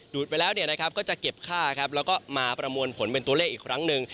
ไปแล้วก็จะเก็บค่าครับแล้วก็มาประมวลผลเป็นตัวเลขอีกครั้งหนึ่ง